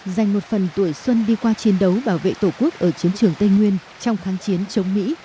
dành một phần tuổi xuân đi qua chiến đấu bảo vệ tổ quốc ở chiến trường tây nguyên trong kháng chiến chống mỹ